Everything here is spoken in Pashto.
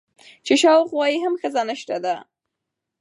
چې شاوخوا ته يې هم ښځه نشته ده.